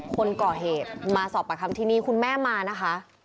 คนก่อเหตุมาสอบประคัมที่นี่คุณแม่มานะคะ